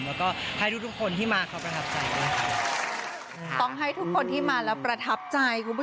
ว่าทุกคนที่มาครับให้คนที่มาแล้วประทับใจคุณผู้